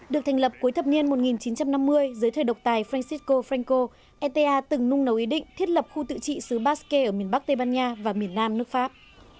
được thành lập cuối thập niên một nghìn chín trăm năm mươi dưới thời độc tài francisco franko eta từng nung nấu ý định thiết lập khu tự trị xứ baske ở miền bắc tây ban nha và miền nam nước pháp